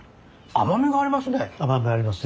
甘みがありますね。